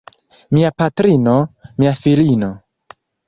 Mia patrino, mia filino.